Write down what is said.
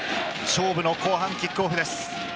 勝負の後半、キックオフです。